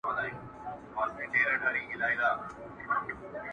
هغه چي پولي د ایمان وې اوس یې نښه نسته!!